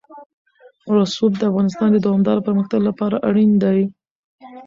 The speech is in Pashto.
رسوب د افغانستان د دوامداره پرمختګ لپاره اړین دي.